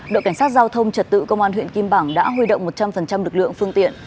đội cảnh sát giao thông trật tự công an huyện kim bảng đã huy động một trăm linh lực lượng phương tiện